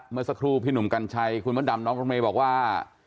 เมื่อสักครู่พี่หนุ่มกัญชัยคุณมดดำน้องรถเมย์บอกว่า